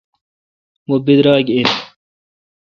مہ براگ این